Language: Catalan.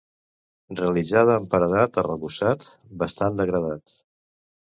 Realitzada amb paredat arrebossat, bastant degradat.